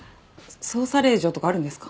捜査令状とかあるんですか？